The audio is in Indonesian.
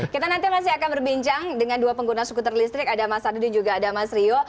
kita nanti masih akan berbincang dengan dua pengguna skuter listrik ada mas ardi dan juga ada mas rio